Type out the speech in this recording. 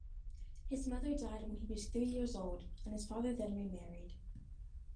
His mother died when he was three-years-old, and his father then remarried.